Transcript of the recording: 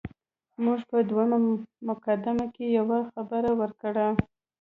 موږ په دویمه مقدمه کې یوه خبره وکړه.